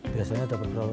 biasanya dapat berapa pak